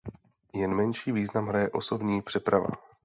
Jen menší význam hraje osobní přeprava.